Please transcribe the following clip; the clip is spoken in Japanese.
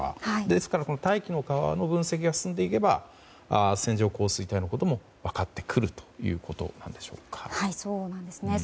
ですから大気の川の分析が進んでいけば線状降水帯のことも分かってくるということなんでしょうか。